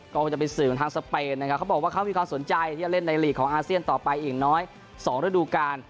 ก็คงจะเป็นสื่อของทางสเปนนะครับเขาบอกว่าเขามีความสนใจที่จะเล่นในหลีกของอาเซียนต่อไปอีกน้อย๒ฤดูการ